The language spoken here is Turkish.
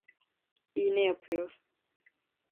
İğne yapıyor…